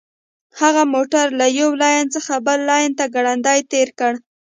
هغه موټر له یوه لین څخه بل ته ګړندی تیر کړ